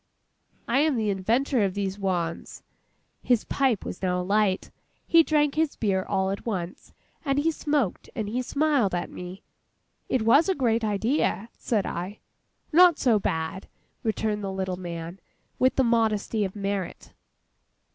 I am the inventor of these wans.' His pipe was now alight. He drank his beer all at once, and he smoked and he smiled at me. 'It was a great idea!' said I. 'Not so bad,' returned the little man, with the modesty of merit.